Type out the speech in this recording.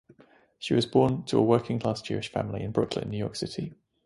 She was born to a working-class Jewish family in Brooklyn, New York City.